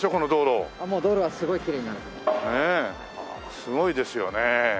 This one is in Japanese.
すごいですよね。